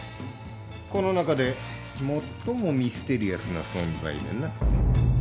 この中で最もミステリアスな存在でな。